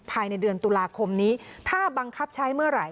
ภายในเดือนตุลาคมนี้ถ้าบังคับใช้เมื่อไหร